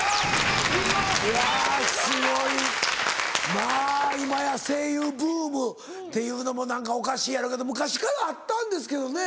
まぁ今や声優ブームっていうのも何かおかしいやろうけど昔からあったんですけどね。